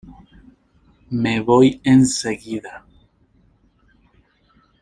Me voy enseguida.